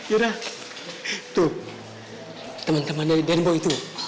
irah itu teman teman dari denbo itu